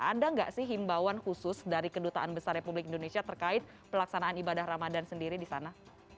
ada nggak sih himbauan khusus dari kedutaan besar republik indonesia terkait pelaksanaan ibadah ramadhan sendiri di sana